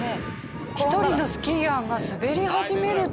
１人のスキーヤーが滑り始めると。